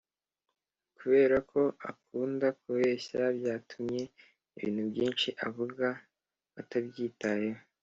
kubera ko akunda kubeshya byatumye ibintu byinshi avuga batabyitayeho